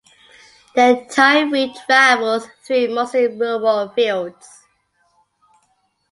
The entire route travels through mostly rural fields.